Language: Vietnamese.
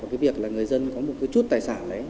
và việc người dân có một chút tài sản